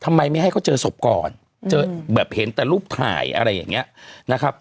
ทำไมไม่ให้เขาเจอศพก่อนเจอแบบเห็นแต่รูปถ่ายอะไรอย่างเงี้ยนะครับ